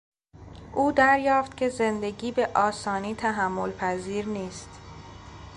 او دریافت که زندگی به آسانی تحمل پذیر نیست.